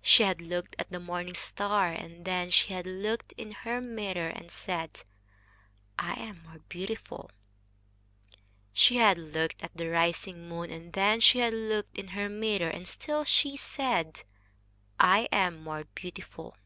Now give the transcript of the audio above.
She had looked at the morning star, and then she had looked in her mirror and said, "I am more beautiful." She had looked at the rising moon, and then she had looked in her mirror and still she said, "I am more beautiful."